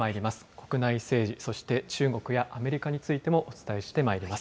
国内政治、そして中国やアメリカについてもお伝えしてまいります。